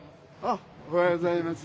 おはようございます。